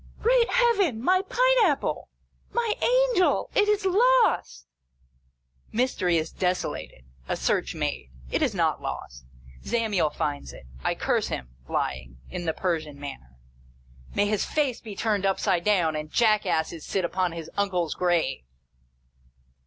" Great Heaven, my pine apple ! My Angel ! It is lost !" Mystery is desolated. A search made. It is not lost. Zamiel finds it. I curse him (flying) in the Persian manner. May hia Charles Dickens.] A FLIGHT. 531 face be turned upside down, and jackasses sit upon his uncle's grave